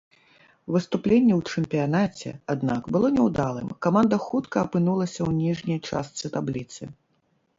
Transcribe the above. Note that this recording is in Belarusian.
Выступленне ў чэмпіянаце, аднак, было няўдалым, каманда хутка апынулася ў ніжняй частцы табліцы.